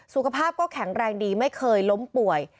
สุขภาพก็แข็งแรงดีไม่เคยล้มป่วย